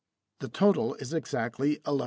The total is exactly 1100.